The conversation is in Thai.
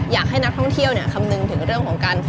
อยากให้นักท่องเที่ยวคำนึงถึงเรื่องของการ